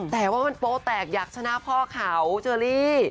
แต่ว่ามันโป๊แตกอยากชนะพ่อเขาเชอรี่